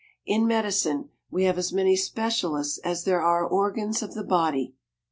In medicine, we have as many specialists as there are organs of the body.